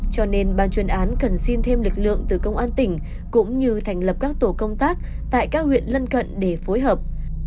cho nên ban chuyên án cần xin thêm lực lượng từ công an tỉnh cũng như thành lập các tổ công tác tại các huyện lân cận để phối hợp